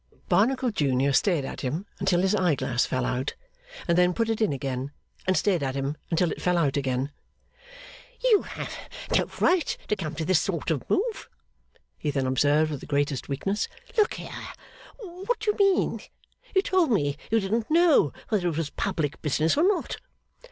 Barnacle junior stared at him until his eye glass fell out, and then put it in again and stared at him until it fell out again. 'You have no right to come this sort of move,' he then observed with the greatest weakness. 'Look here. What do you mean? You told me you didn't know whether it was public business or not.